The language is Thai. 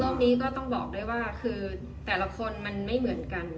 นี้ก็ต้องบอกด้วยว่าคือแต่ละคนมันไม่เหมือนกัน